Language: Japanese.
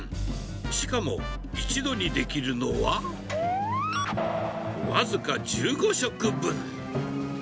しかも一度にできるのは、僅か１５食分。